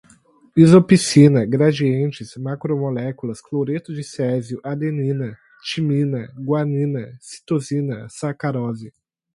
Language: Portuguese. isopícnica, gradientes, macromoléculas, cloreto de césio, adenina, timina, guanina, citosina, sacarose